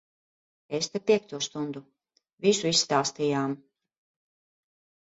Esam te piekto stundu. Visu izstāstījām.